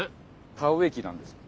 田植え機なんです。